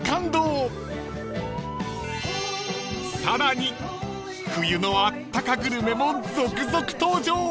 ［さらに冬のあったかグルメも続々登場］